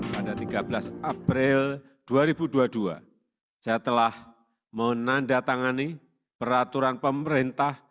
pada tiga belas april dua ribu dua puluh dua saya telah menandatangani peraturan pemerintah